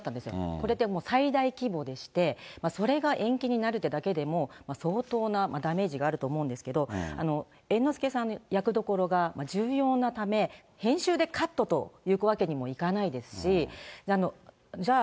これって最大規模でして、それが延期になるっていうだけで、相当なダメージがあると思うんですけど、猿之助さんの役どころが重要なため、編集でカットというわけにもいかないですし、じゃあ、